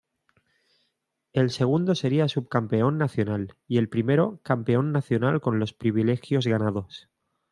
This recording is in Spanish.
El segundo sería Subcampeón Nacional y el primero Campeón Nacional con los privilegios ganados.